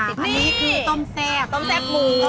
อันนี้คือต้มแซ่บต้มแซ่บหมู